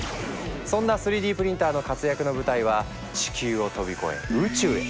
そんな３Ｄプリンターの活躍の舞台は地球を飛び越え宇宙へ！